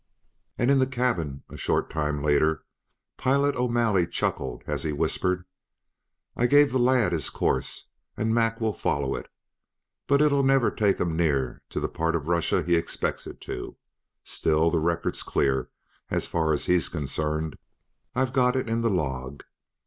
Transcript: And, in the cabin a short time later, Pilot O'Malley chuckled as he whispered: "I gave the lad his course. And Mac will follow it, but it'll niver take him near to the part of Rooshia he expects it to. Still, the record's clear as far as he's concerned; I've got it in the log.